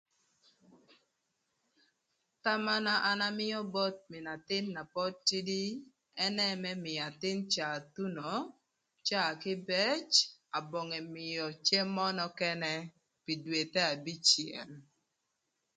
Thama na an amïö both mïn athïn na pod tïdï ënë më mïö athïn cak thuno caa caa kïbëc, abonge mïö cem mö nökënë pï dwethe abicël.